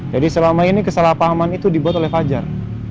selama ini kesalahpahaman itu dibuat oleh fajar